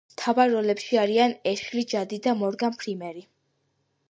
მთავარ როლებში არიან ეშლი ჯადი და მორგან ფრიმენი.